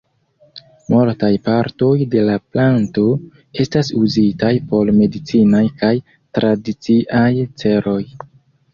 Multaj partoj de la planto estas uzitaj por medicinaj kaj tradiciaj celoj.